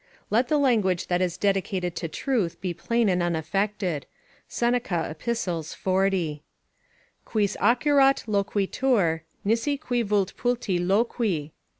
["Let the language that is dedicated to truth be plain and unaffected. Seneca, Ep. 40.] "Quis accurat loquitur, nisi qui vult putide loqui?"